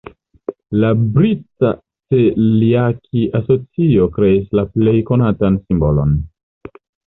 La Brita celiaki-asocio kreis la plej konatan simbolon.